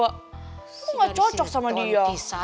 kok gak cocok sama dia